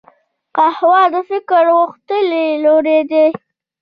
قهوه د فکر غښتلي لوری دی